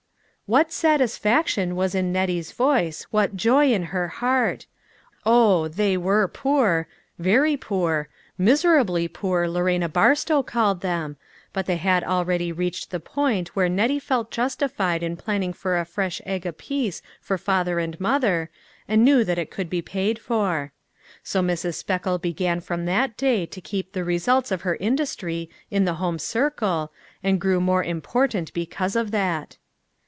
What satisfaction was in Nettie's voice, what joy in her heart ! Oh ! they were poor, very poor, " miserably poor " Lorena Barstow called them, but they had already reached the point where Nettie felt justified in planning for a fresh egg apiece for father and mother, and TOO GOOD TO BE TRUE. 389 knew that it could be paid for. So Mrs. Speckle began from that day to keep the results of her industry in the home circle, and grew more important because of that.